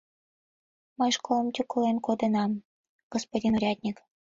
— Мый школым тӱкылен коденам, господин урядник.